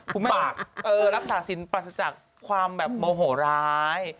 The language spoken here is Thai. คุณแม่รักษาศิลป์ปราศจากความโมโหร้ร้าย